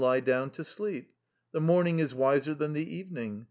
lie down and sleep; the morning is wiser than the evening."